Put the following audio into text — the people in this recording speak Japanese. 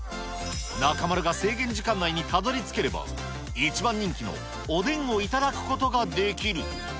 中丸が制限時間内にたどりつければ、一番人気のおでんを頂くことができる。